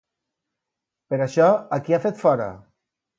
Per això, a qui ha fet fora?